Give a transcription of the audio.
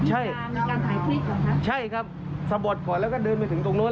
ใช่ใช่ครับสบดขอและก็เดินไปถึงตรงโน๊ต